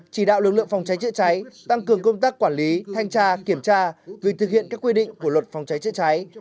chỉ đạo lực lượng phòng cháy chữa cháy tăng cường công tác quản lý thanh tra kiểm tra việc thực hiện các quy định của luật phòng cháy chữa cháy